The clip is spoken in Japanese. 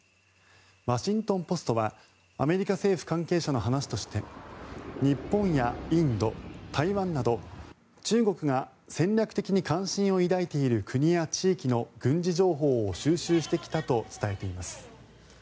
ワシントン・ポストはアメリカ政府関係者の話として日本やインド、台湾など中国が戦略的に関心を抱いている国や地域の軍事情報を収集してきたと伝えています。